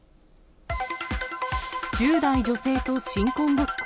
１０代女性と新婚ごっこ。